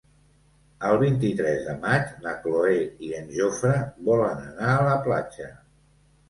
El vint-i-tres de maig na Cloè i en Jofre volen anar a la platja.